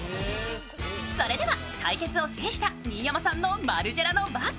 それでは対決を制した新山さんのマルジェラのバッグ。